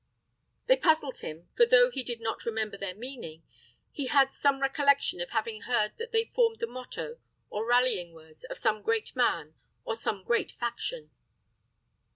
They puzzled him; for though he did not remember their meaning, he had some recollection of having heard that they formed the motto, or rallying words, of some great man or some great faction.